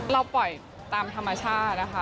เราปล่อยตามธรรมชาตินะคะ